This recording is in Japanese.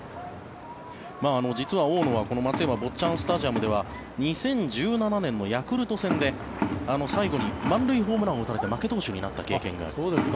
実は大野は、この松山・坊っちゃんスタジアムでは２０１７年のヤクルト戦で最後に満塁ホームランを打たれて負け投手になった経験がある。